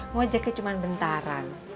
ngojeknya cuma bentaran